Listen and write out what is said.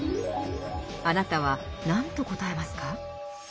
あなたは何と答えますか？